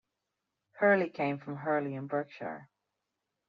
Hurley came from Hurley in Berkshire.